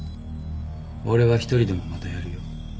俺は１人でもまたやるよ。